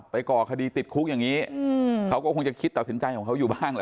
ก่อคดีติดคุกอย่างนี้เขาก็คงจะคิดตัดสินใจของเขาอยู่บ้างแหละ